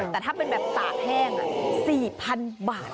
แต่ถ้าเป็นแบบตากแห้ง๔๐๐๐บาท